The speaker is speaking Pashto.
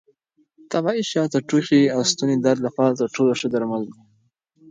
طبیعي شات د ټوخي او ستوني درد لپاره تر ټولو ښه درمل دي.